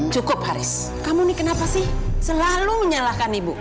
cukup haris kamu nih kenapa sih selalu menyalahkan ibu